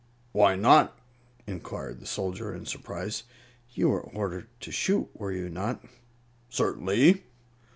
"Why not?" inquired the soldier, in surprise. "You were ordered to shoot, were you not?" "Certainly."